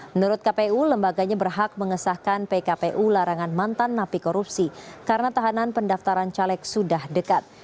menurut kpu lembaganya berhak mengesahkan pkpu larangan mantan napi korupsi karena tahanan pendaftaran caleg sudah dekat